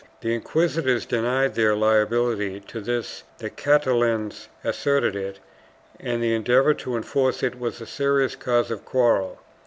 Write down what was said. The inquisitors denied their liability to this, the Catalans asserted it, and the endeavor to enforce it was a serious cause of quarrel.